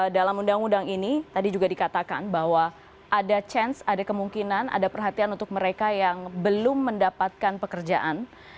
dalam undang undang ini tadi juga dikatakan bahwa ada chance ada kemungkinan ada perhatian untuk mereka yang belum mendapatkan pekerjaan